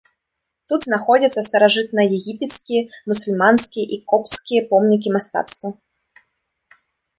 Тут знаходзяцца старажытнаегіпецкія, мусульманскія і копцкія помнікі мастацтва.